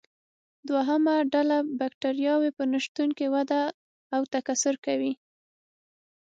دوهمه ډله بکټریاوې په نشتون کې وده او تکثر کوي.